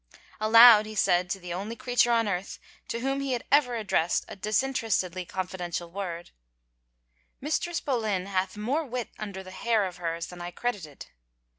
Aloud he said to the only creature on earth to whom he ever addressed a disinterestedly confidential word, " Mistress Boleyn hath more wit under the hair of hers than I credited."